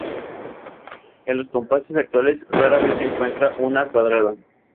En los compases actuales rara vez se encuentra una cuadrada.